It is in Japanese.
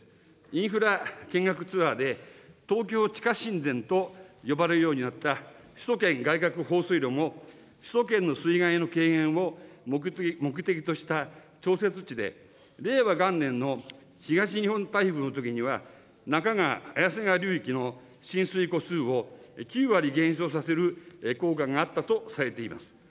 インフラ見学ツアーで、東京地下神殿と呼ばれるようになった首都圏外郭放水路も、首都圏の水害の軽減を目的とした調節池で令和元年の東日本台風のときには、中川・綾瀬川流域の浸水戸数を９割減少させる効果があったとされています。